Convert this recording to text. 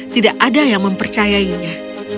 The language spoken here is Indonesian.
tidak ada yang mempercayainya